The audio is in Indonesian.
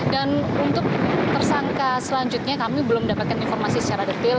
dan untuk tersangka selanjutnya kami belum mendapatkan informasi secara detail